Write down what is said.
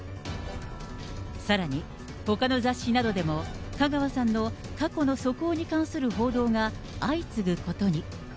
さらに、ほかの雑誌などでも香川さんの過去の素行に関する報道が相次ぐことに。